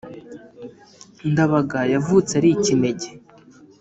Ndabaga yavutse ari ikinege